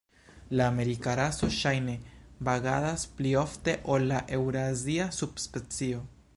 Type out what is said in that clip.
La amerika raso ŝajne vagadas pli ofte ol la eŭrazia subspecio.